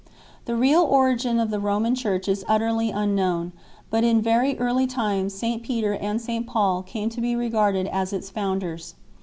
The real origin of the Roman Church is utterly un known, but in very early times St Peter and St Paul 3 came to be regarded as its founders.